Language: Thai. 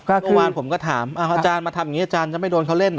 เมื่อวานผมก็ถามอาจารย์มาทำอย่างนี้อาจารย์จะไม่โดนเขาเล่นเห